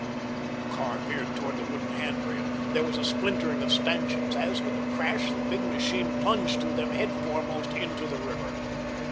The car veered toward the wooden handrail, there was a splintering of stanchions, as, with a crash, the big machine plunged through them headforemost into the river.